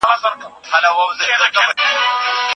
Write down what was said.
زده کړه د زړو او نوي نسلو ترمنځ پل جوړوي.